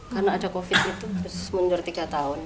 karena ada covid itu terus muncul tiga tahun